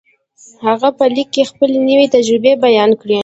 هغه په ليک کې خپلې نوې تجربې بيان کړې.